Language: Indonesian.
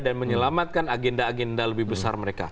dan menyelamatkan agenda agenda lebih besar mereka